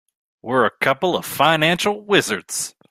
We're a couple of financial wizards.